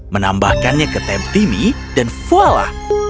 menambahkannya ke temp timmy dan voila